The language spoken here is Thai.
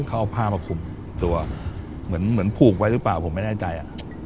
เขาเอาผ้ามาคุมตัวเหมือนผูกไว้หรือเปล่าผมไม่แน่ใจ